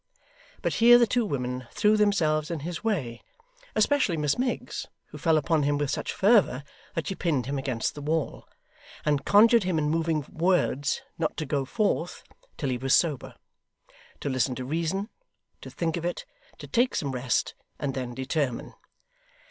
But here the two women threw themselves in his way especially Miss Miggs, who fell upon him with such fervour that she pinned him against the wall and conjured him in moving words not to go forth till he was sober; to listen to reason; to think of it; to take some rest, and then determine.